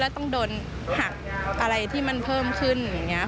แล้วต้องโดนหักอะไรที่มันเพิ่มขึ้น